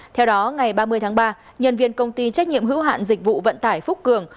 theo đó ngày ba mươi tháng ba nhân viên công ty trách nhiệm hữu hạn dịch vụ vận tải phúc cường